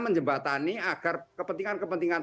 menjembatani agar kepentingan kepentingan